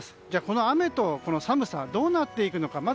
じゃあ、この雨と寒さはどうなっていくのか。